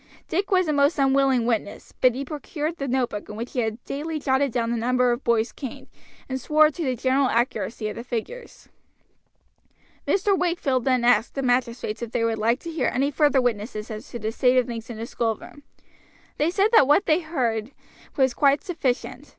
Dick was a most unwilling witness, but he produced the notebook in which he had daily jotted down the number of boys caned, and swore to the general accuracy of the figures. Mr. Wakefield then asked the magistrates if they would like to hear any further witnesses as to the state of things in the schoolroom. They said that what they had heard was quite sufficient.